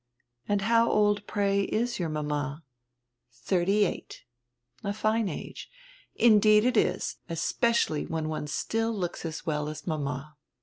"And how old, pray, is your mama?" "Thirty eight." "A fine age." "Indeed it is, especially when one still looks as well as mama.